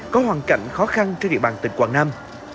có hoàn cảnh khó khăn trên địa bàn tỉnh quảng nam